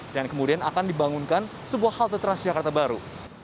dan kemudian akan dibangunkan sebuah halte transjakarta baru